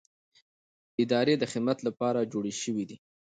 ادارې د خدمت لپاره جوړې شوې دي